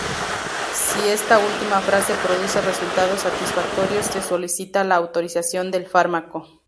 Si esta última fase produce resultados satisfactorios, se solicita la autorización del fármaco.